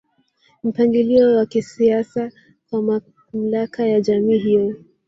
Mpangilio wa kisiasa kwa mamlaka ya jamii hiyo